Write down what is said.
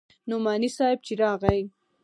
نعماني صاحب چې راغى.